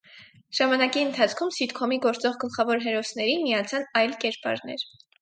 Ժամանակի ընթացքում սիթքոմի գործող գլխավոր հերոսներին միացան այլ կերպարներ։